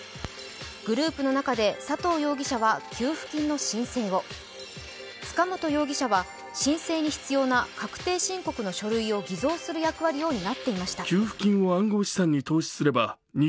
グループの中で佐藤容疑者は給付金の申請を、塚本容疑者は申請に必要な確定申告の書類を偽造する役割を担っていました。